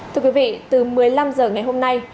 thưa quý vị từ một mươi năm h ngày hôm nay